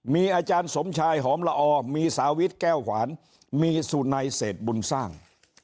มีอาจารย์สมชายหอมละอมีสาวิทแก้วขวานมีสุนัยเศษบุญสร้าง